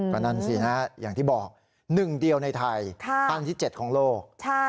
ก็นั่นสินะอย่างที่บอก๑เดียวในไทยขั้นที่๗ของโลก